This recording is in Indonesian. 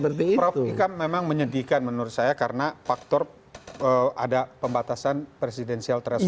prof ini kan memang menyedihkan menurut saya karena faktor ada pembatasan presidensial threshold